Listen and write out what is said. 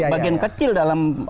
bagian kecil dalam